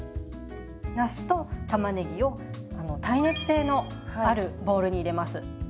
なすとたまねぎを耐熱性のあるボウルに入れます。